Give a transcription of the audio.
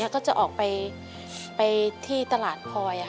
ก็จะออกไปที่ตลาดพลอย